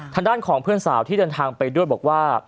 ทางด้านของเพื่อนสาวที่เดินทางไปด้วยบอกว่า